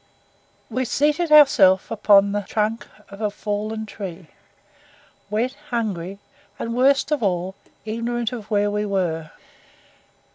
We seated ourselves upon the trunk of a fallen tree, wet, hungry, and, worst of all, ignorant of where we were.